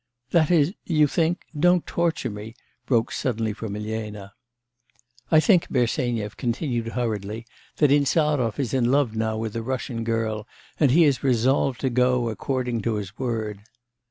'That is you think don't torture me!' broke suddenly from Elena. 'I think,' Bersenyev continued hurriedly, 'that Insarov is in love now with a Russian girl, and he is resolved to go, according to his word.